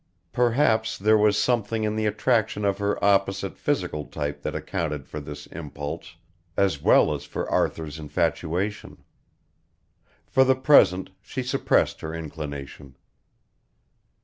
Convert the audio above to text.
Perhaps there was something in the attraction of her opposite physical type that accounted for this impulse as well as for Arthur's infatuation. For the present she suppressed her inclination.